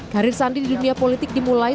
karir sandi di dunia politik dimulai